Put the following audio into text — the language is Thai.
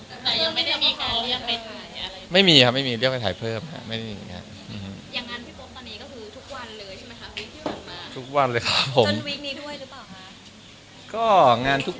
ไหนยังไม่ได้มีการเรียกไปถ่ายอะไรอย่างนี้